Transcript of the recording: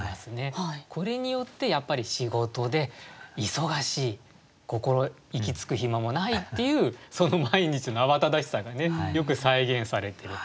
これによってやっぱり仕事で忙しい心息つく暇もないっていうその毎日の慌ただしさがよく再現されてると思います。